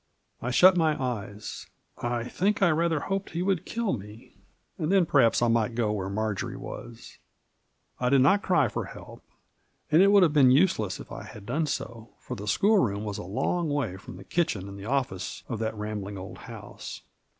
I shut my eyes : I think I rather hoped he would kill me, and then perhaps I might go where Marjory was. I did not cry for help, and it would have been useless if I had done so, for the school room was a long way from the kitchen and offices of that rambling old house.